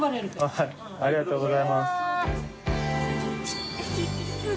はいありがとうございますすげぇな。